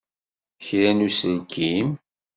Kra n uselkim!